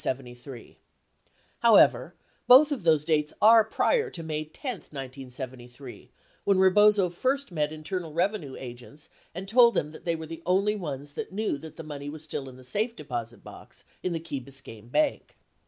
43 However, both of those dates are prior to May 10, 1973, when Rebozo first met Internal Revenue agents and told them that they were the only ones that knew that the money was still in the safe deposit box in the Key Biscayne Bank.